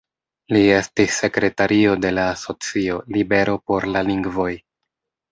Li estis sekretario de la asocio "Libero por la lingvoj".